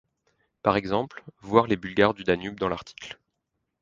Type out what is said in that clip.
Par exemple, voir les Bulgares du Danube dans l'article.